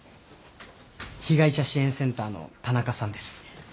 被害者支援センターの田中さんです